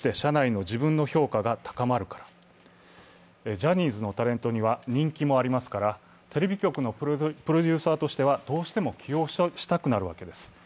ジャニーズのタレントには人気もありますから、テレビ局のプロデューサーとしてはどうしても起用したくなるわけです。